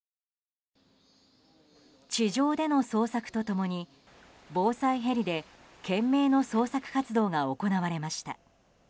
地上での捜索と共に防災ヘリで懸命の捜索活動が行われました。